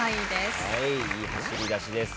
いい走り出しです。